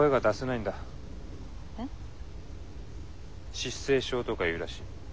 失声症とかいうらしい。